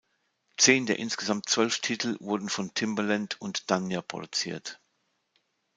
Zehn der insgesamt zwölf Titel wurden von Timbaland und Danja produziert.